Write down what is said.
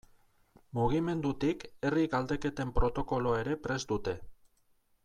Mugimendutik herri galdeketen protokoloa ere prest dute.